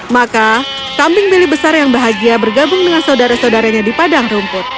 maka kambing bili besar yang bahagia bergabung dengan saudara saudaranya di padang rumput